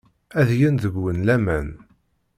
Ad gen deg-wen laman.